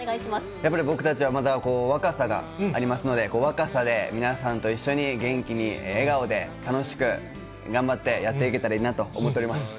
やっぱり僕たちはまだこう、若さがありますので、若さで、皆さんと一緒に元気に、笑顔で、楽しく頑張ってやっていけたらいいなと思っております。